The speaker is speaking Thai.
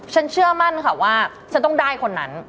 เชื่อมั่นค่ะว่าฉันต้องได้คนนั้น